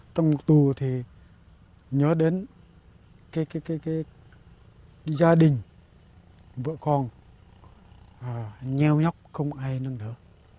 trong tù thì nhớ đến gia đình vợ con nheo nhóc không ai nữa